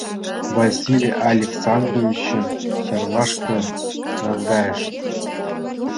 Василий Александровичым Чарлашке наҥгайышт.